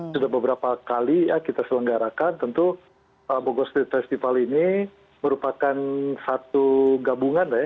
sudah beberapa kali ya kita selenggarakan tentu bogor street festival ini merupakan satu gabungan ya